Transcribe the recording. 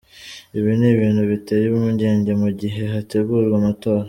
Ibi ni ibintu biteye impungenge mu gihe hategurwa amatora ".